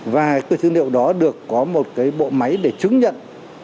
và cái dữ liệu đó được có một cái bộ máy để chứng nhận